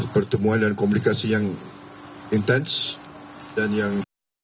pertemuan dan komunikasi yang intens dan yang